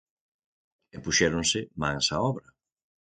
E puxéronse mans á obra.